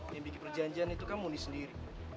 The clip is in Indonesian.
yang bikin perjanjian itu kan muni sendiri